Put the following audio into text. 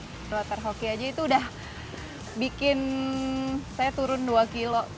kloter hoki aja itu udah bikin saya turun dua kilo